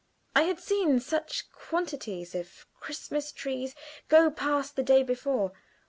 I had seen such quantities of Christmas trees go past the day before.